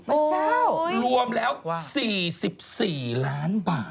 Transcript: พระเจ้ารวมแล้ว๔๔ล้านบาท